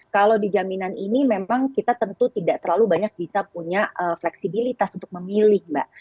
kalau di jaminan ini memang kita tentu tidak terlalu banyak bisa punya fleksibilitas untuk memilih mbak